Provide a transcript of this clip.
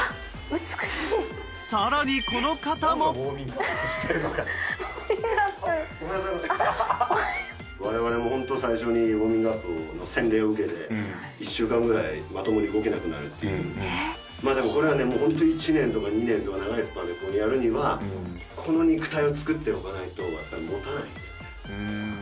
美しいさらにこの方もあっおはようございます我々もホント最初にウォーミングアップの洗礼を受けて１週間ぐらいまともに動けなくなるっていうまあでもこれはねもうホント１年とか２年とか長いスパンでやるにはこの肉体をつくっておかないとやっぱりもたないんですよね